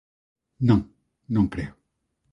_Non, non creo.